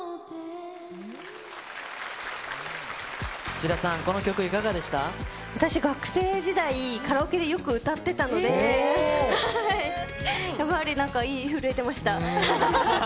志田さん、この曲いかがでし私、学生時代、カラオケでよく歌ってたので、やっぱりなんかいい、震えてました。